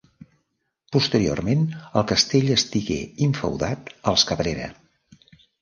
Posteriorment el castell estigué infeudat als Cabrera.